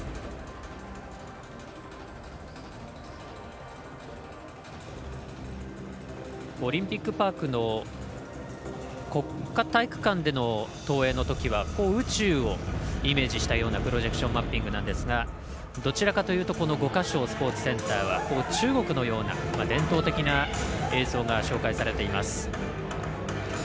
オリンピックパークの国家体育館での投影のときは宇宙をイメージしたようなプロジェクションマッピングだったんですがどちらかというと五か松スポーツセンターは中国のような伝統的な映像が紹介されています。